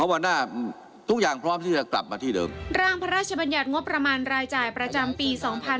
ร่างพระราชบัญญัติงบประมาณรายจ่ายประจำปี๒๕๖๐